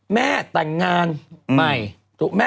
แม่แต่งงานใหม่